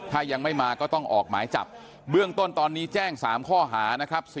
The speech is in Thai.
ถ้ายังไม่มาก็ต้องออกหมายจับเบื้องต้นตอนนี้แจ้ง๓ข้อหานะครับ